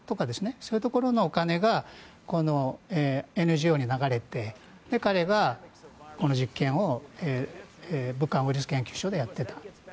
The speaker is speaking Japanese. そういうところのお金がＮＧＯに流れて彼がこの実験を武漢ウイルス研究所でやっていた。